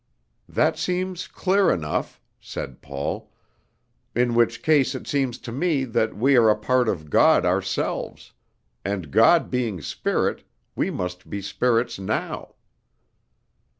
"That seems clear enough," said Paul; "in which case it seems to me that we are a part of God ourselves, and God being spirit, we must be spirits now."